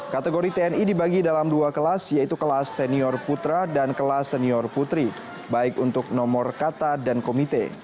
kategori tni dibagi dalam dua kelas yaitu kelas senior putra dan kelas senior putri baik untuk nomor kata dan komite